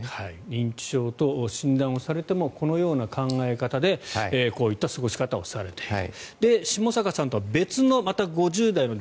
認知症と診断をされてもこのような考え方でこういった過ごし方をされている。